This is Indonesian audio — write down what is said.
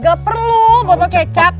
nggak perlu botol kecap